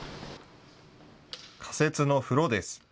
仮設の風呂です。